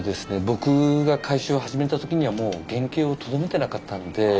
僕が改修を始めた時にはもう原形をとどめてなかったんで。